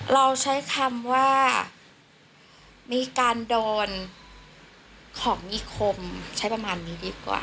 เราใช้คำว่ามีการโดนของมีคมใช้ประมาณนี้ดีกว่า